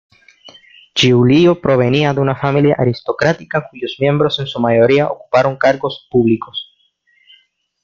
Giulio provenía de una familia aristocrática cuyos miembros en su mayoría ocuparon cargos públicos.